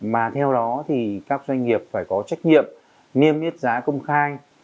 mà theo đó thì các doanh nghiệp phải có trách nhiệm nghiêm biết giá công khai